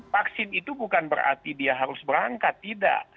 vaksin itu bukan berarti dia harus berangkat tidak